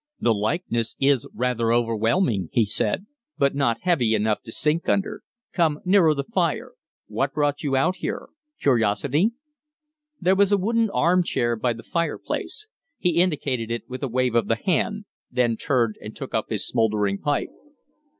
"The likeness is rather overwhelming," he said; "but not heavy enough to sink under. Come nearer the fire. What brought you here? Curiosity?" There was a wooden arm chair by the fireplace. He indicated it with a wave of the hand; then turned and took up his smouldering pipe.